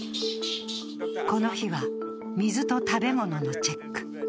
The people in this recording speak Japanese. この日は、水と食べ物のチェック。